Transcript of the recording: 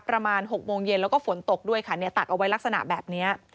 ประมาณ๖โมงเย็นแล้วก็ฝนตกด้วยค่ะเนี่ยตักเอาไว้ลักษณะแบบนี้